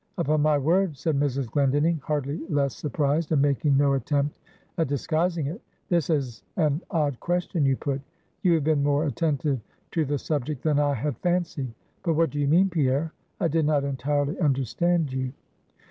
"Upon my word" said Mrs. Glendinning, hardly less surprised, and making no attempt at disguising it "this is an odd question you put; you have been more attentive to the subject than I had fancied. But what do you mean, Pierre? I did not entirely understand you."